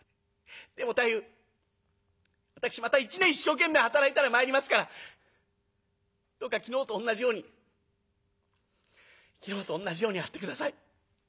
でも太夫私また一年一生懸命働いたら参りますからどうか昨日とおんなじように昨日とおんなじように会って下さい。